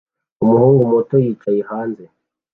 Umuhungu muto yicaye hanze